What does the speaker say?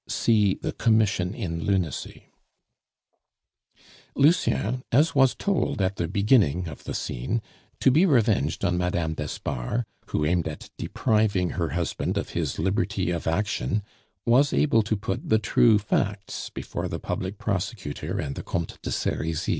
(See the Commission in Lunacy.) Lucien, as was told at the beginning of the Scene, to be revenged on Madame d'Espard, who aimed at depriving her husband of his liberty of action, was able to put the true facts before the Public Prosecutor and the Comte de Serizy.